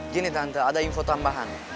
gini tante ada info tambahan